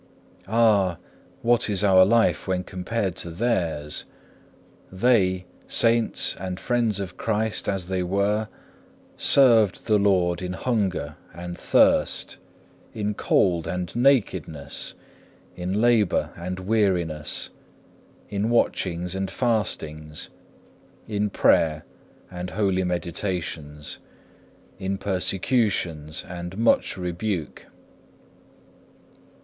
Ah! What is our life when compared to theirs? They, saints and friends of Christ as they were, served the Lord in hunger and thirst, in cold and nakedness, in labour and weariness, in watchings and fastings, in prayer and holy meditations, in persecutions and much rebuke.